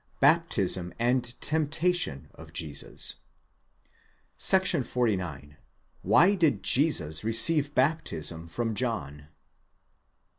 BAPTISM AND TEMPTATION OF JESUS. § 49. WHY DID JESUS RECEIVE BAPTISM FROM JOHN